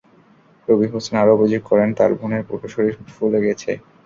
রবি হোসেন আরও অভিযোগ করেন, তাঁর বোনের পুরো শরীর ফুলে গেছে।